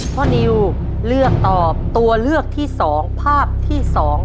พ่อนิวเลือกตอบตัวเลือกที่สองภาพที่สอง